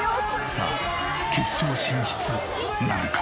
さあ決勝進出なるか？